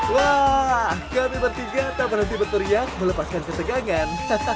wah kami bertiga tak berhenti berteriak melepaskan ketegangan